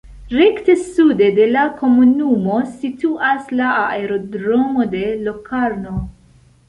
Rekte sude de la komunumo situas la aerodromo de Locarno.